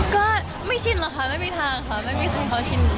ก็ไม่ชินหรอกค่ะไม่มีทางค่ะไม่มีคนเขาชิน